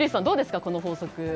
どうですか、この法則。